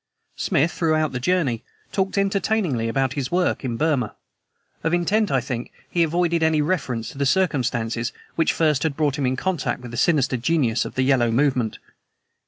Smith, throughout the journey, talked entertainingly about his work in Burma. Of intent, I think, he avoided any reference to the circumstances which first had brought him in contact with the sinister genius of the Yellow Movement.